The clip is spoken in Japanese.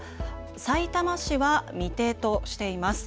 さいたま市は未定としています。